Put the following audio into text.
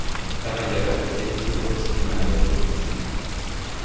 Par ailleurs, il fait des petits rôles au cinéma et à la télévision.